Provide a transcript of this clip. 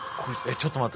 ちょっと待って。